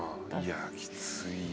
いやきつい。